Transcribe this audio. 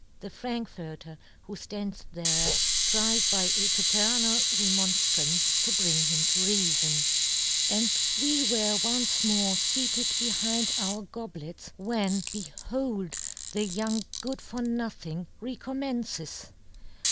The Frankforter, who ' ftands there, tried by a paternal re * monftrance to bring him to reafon, * and we were once more feated be * hind our goblets, when, behold, the ' young good for nothing recom ' mences.